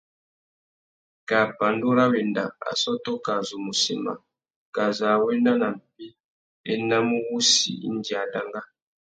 Kā pandú râ wenda, assôtô kā zu mù sema, kā zu a wena nà mpí, a enamú wussi indi a danga.